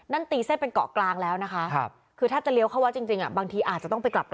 นั้นตีเส้นเป็นเกาะกลางแล้วนะคะจะเรียวเข้ามา